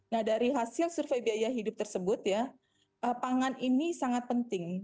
nah dari hasil survei biaya hidup tersebut ya pangan ini sangat penting